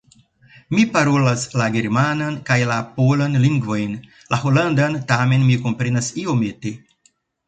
Mi parolas la germanan kaj la polan lingvojn; la holandan tamen mi komprenas iomete.